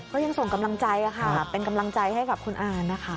ก็ยังส่งกำลังใจค่ะเป็นกำลังใจให้กับคุณอานะคะ